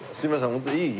ホントにいい？